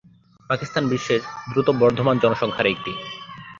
পাকিস্তান বিশ্বের দ্রুত বর্ধমান জনসংখ্যার একটি।